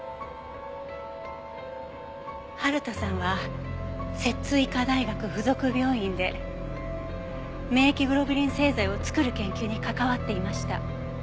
春田さんは摂津医科大学附属病院で免疫グロブリン製剤を作る研究に関わっていました。